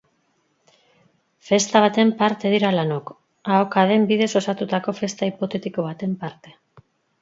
Festa baten parte dira lanok, ahokaden bidez osatutako festa hipotetiko baten parte.